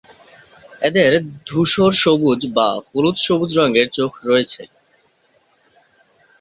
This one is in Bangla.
এদের ধূসর-সবুজ বা হলুদ-সবুজ রঙের চোখ রয়েছে।